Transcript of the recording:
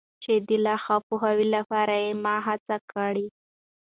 چي د لا ښه پوهاوي لپاره یې ما هڅه کړي.